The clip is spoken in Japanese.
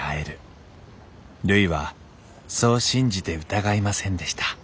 るいはそう信じて疑いませんでした